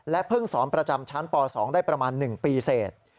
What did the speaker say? เพิ่งสอนประจำชั้นป๒ได้ประมาณ๑ปีเสร็จ